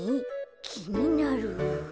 きになる。